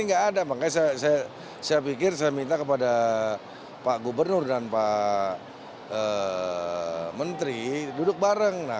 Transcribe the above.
nggak ada makanya saya pikir saya minta kepada pak gubernur dan pak menteri duduk bareng